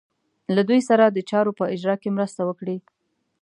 له دوی سره د چارو په اجرا کې مرسته وکړي.